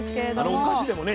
お菓子でもね